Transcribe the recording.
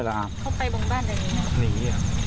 ก็แบบรู้สึกว่ามามืด